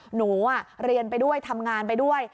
หนูเรียนไปด้วยทำงานไปด้วย